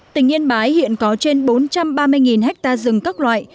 tình nhiên bái hiện có trên bốn trăm ba mươi ha rừng các loại